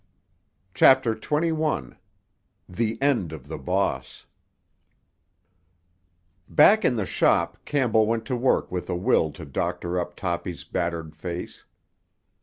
CHAPTER XXI—THE END OF THE BOSS Back in the shop Campbell went to work with a will to doctor up Toppy's battered face.